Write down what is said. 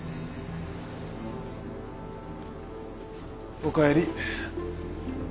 おかえり。